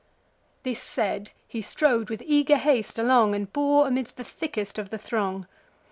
This said, he strode with eager haste along, And bore amidst the thickest of the throng.